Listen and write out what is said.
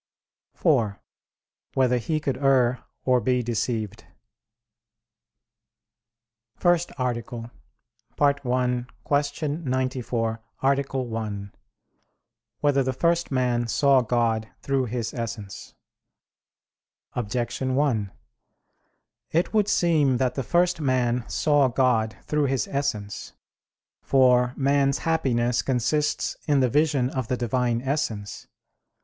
(4) Whether he could err or be deceived? _______________________ FIRST ARTICLE [I, Q. 94, Art. 1] Whether the First Man Saw God Through His Essence? Objection 1: It would seem that the first man saw God through His Essence. For man's happiness consists in the vision of the Divine Essence.